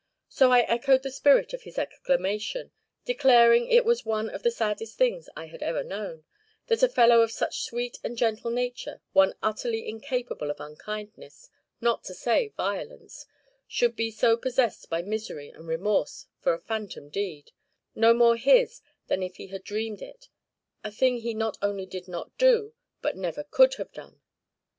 So I echoed the spirit of his exclamation, declaring it was one of the saddest things I had ever known, that a fellow of such sweet and gentle nature, one utterly incapable of unkindness, not to say violence, should be so possessed by misery and remorse for a phantom deed, no more his than if he had dreamed it, a thing he not only did not do, but never could have done.